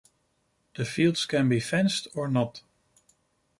The fields can be fenced or not.